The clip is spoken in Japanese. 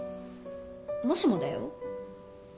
もしもだよ